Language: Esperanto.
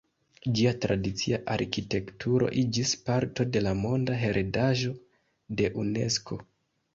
Ĝia tradicia arkitekturo iĝis parto de la Monda heredaĵo de Unesko.